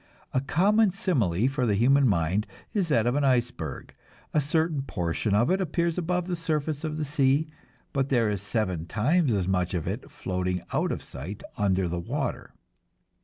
A common simile for the human mind is that of an iceberg; a certain portion of it appears above the surface of the sea, but there is seven times as much of it floating out of sight under the water.